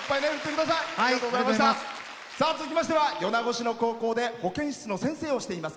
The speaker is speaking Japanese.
続きましては米子市の高校で保健室の先生をしています。